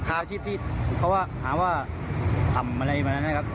อาชีพที่เขาหาว่าทำอะไรบ้างนะครับ